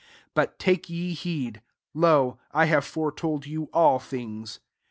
23 But take ye heed : lo, 1 have foretold you all things.